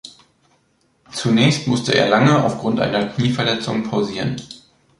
Zunächst musste er lange aufgrund einer Knieverletzung pausieren.